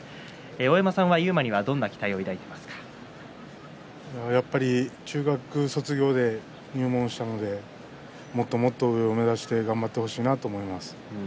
大山さんは勇磨にはやっぱり中学を卒業して入門したのでもっともっと上を目指して頑張ってほしいなと思います。